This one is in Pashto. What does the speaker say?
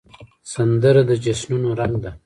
سندره د جشنونو رنګ ده